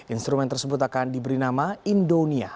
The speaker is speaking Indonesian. instrumen tersebut akan diberi nama indonia